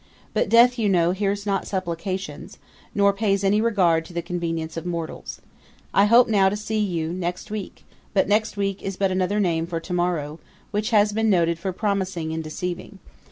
But death, you know, hears not supplications, nor pays any regard to the convenience of mortals. I hope now to see you next week; but next week is but another name for to morrow, which has been noted for promising and deceiving.